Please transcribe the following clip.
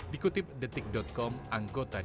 dikutip detik com anggota dpr